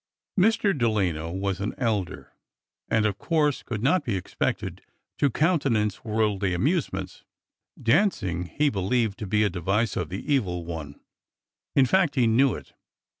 Mr. Delano was an elder, and, of course, could not be expected to countenance worldly amusements. Dancing he believed to be a device of the Evil One,— in fact, he knew it!